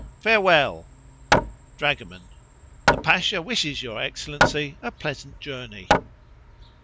Farewell! Dragoman.—The Pasha wishes your Excellency a pleasant journey.